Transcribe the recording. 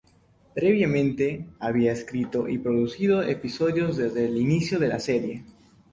Previamente, había escrito y producido episodios desde el inicio de la serie.